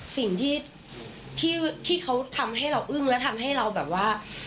สิ่งที่ที่เขาทำให้เราอึ้งและทำให้เราแบบว่า